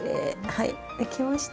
はいできました。